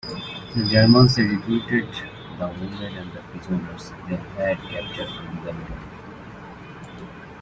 The Germans executed the wounded and the prisoners they had captured from the battalion.